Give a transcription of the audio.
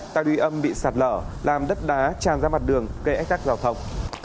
tà đuôi âm bị sạt lở làm đất đá tràn ra mặt đường gây ách tắc giao thông